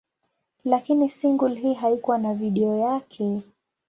Lakini single hii haikuwa na video yake.